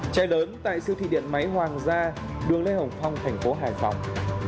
cháy lớn tại siêu thị điện máy hoàng gia đường lê hồng phong thành phố hải phòng